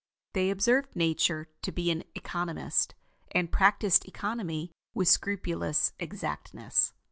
They observed Nature to be an economist, and practiced economy with scrupulous exactness.